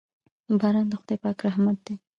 باران د خداے پاک رحمت دے